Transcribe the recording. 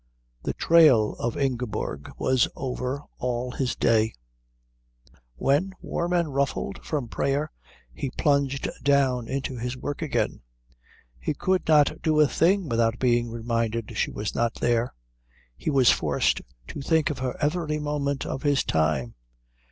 The trail of Ingeborg was over all his day. When, warm and ruffled from prayer, he plunged down into his work again, he could not do a thing without being reminded she was not there. He was forced to think of her every moment of his time.